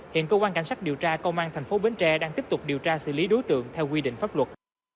hiện cơ quan cảnh sát điều tra công an thành phố bến tre đang tiếp tục điều tra xử lý đối tượng theo quy định pháp luật